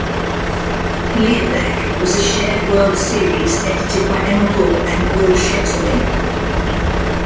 Liavek was a shared-world series edited by Emma Bull and Will Shetterly.